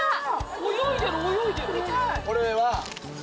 泳いでる泳いでる。